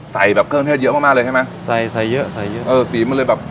ใส่แบบเครื่องเทศเยอะมากมากเลยใช่ไหมใส่ใส่เยอะใส่เยอะเออสีมันเลยแบบ